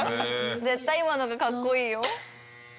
絶対今のが格好いいよ。